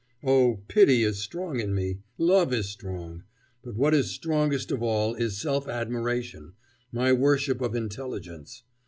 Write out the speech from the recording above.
Oh, pity is strong in me, love is strong; but what is strongest of all is self admiration, my worship of intelligence.